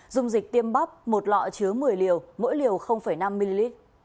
dung dịch tiêm bắp một lọ chứa một mươi liều mỗi liều năm ml